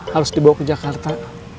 harus dibawa ke jakarta